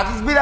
cứ bình tĩnh